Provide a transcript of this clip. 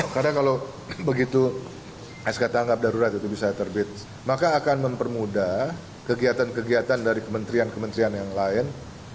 karena kalau begitu sk tanggap darurat itu bisa terbit maka akan mempermudah kegiatan kegiatan dari kementerian kementerian yang lain